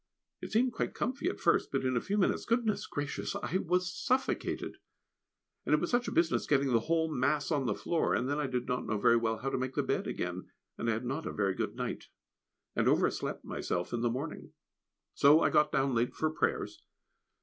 It seemed quite comfy at first, but in a few minutes, goodness gracious, I was suffocated! And it was such a business getting the whole mass on the floor; and then I did not know very well how to make the bed again, and I had not a very good night, and overslept myself in the morning. So I got down late for prayers.